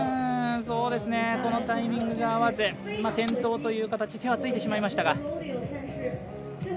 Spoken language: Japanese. このタイミングが合わず、転倒という形手はついてしまいましたが。